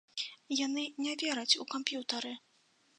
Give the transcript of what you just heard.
Яны не вераць у камп'ютары!